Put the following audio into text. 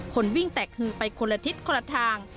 คนวิ่งแตกฮือไปคนละทิศคนละทาง